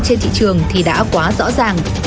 trên thị trường thì đã quá rõ ràng